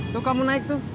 tuh kamu naik tuh